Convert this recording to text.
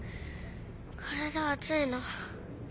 体熱いの。